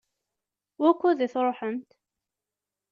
Wukud i tṛuḥemt?